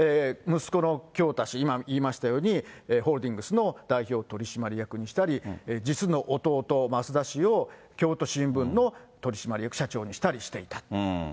息子の京大氏、今言いましたように、ホールディングスの代表取締役にしたり、実の弟、増田氏を京都新聞の取締役社長にしたりしていた。